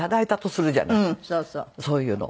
そういうのを。